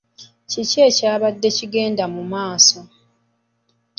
Kiki ekyabadde kigenda mu maaso?